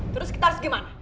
terus kita harus gimana